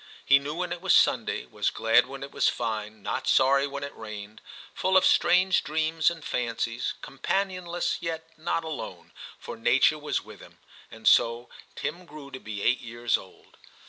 He knew when it was Sunday, was glad when it was fine, not sorry when it rained, full of strange dreams and fancies, companionless yet not alone, for nature was with him. And so Tim grew to be eight years old.